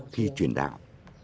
để truyền đạo